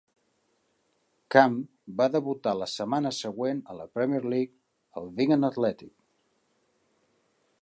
Camp va debutar la setmana següent a la Premier League al Wigan Athletic.